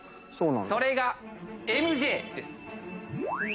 それがＭＪです。